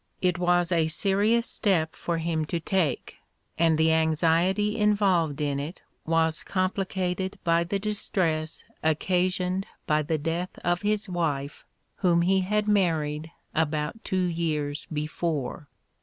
It was a serious step for hinci to take, and the anxiety involved in it was complicated by the distress occasioned by the death of his wife, whom he had married about two years before.